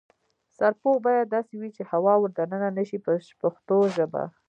سرپوښ باید داسې وي چې هوا ور دننه نشي په پښتو ژبه.